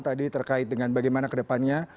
terkait dengan bagaimana kedepannya